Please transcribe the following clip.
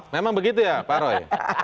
memang begitu ya pak roy